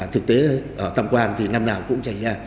thực tế ở tam quan thì năm nào cũng cháy nha